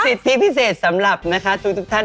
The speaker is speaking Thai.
สิทธิพิเศษสำหรับนะคะทุกท่าน